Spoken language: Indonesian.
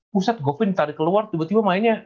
buset gokwin tadi keluar tiba tiba mainnya